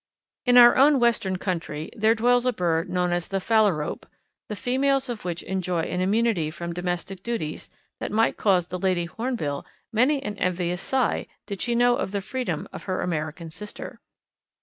In our own western country there dwells a bird known as the Phalarope, the females of which enjoy an immunity from domestic duties that might cause the lady Hornbill many an envious sigh did she know of the freedom of her American sister.